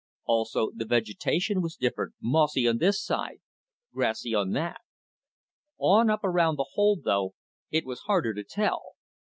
Also, the vegetation was different, mossy on this side, grassy on that. On up around the hole, though, it was harder to tell.